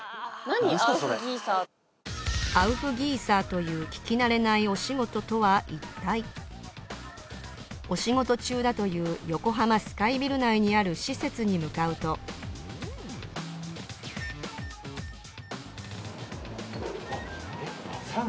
アウフギーサーという聞き慣れないお仕事とはいったいお仕事中だという横浜スカイビル内にある施設に向かうと・あっ五塔さん。